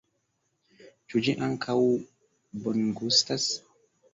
Ĉu ĝi ankaŭ bongustas?